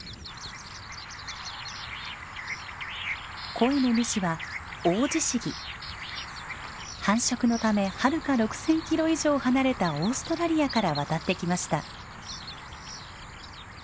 声の主は繁殖のためはるか６，０００キロ以上離れたオーストラリアから渡ってきました。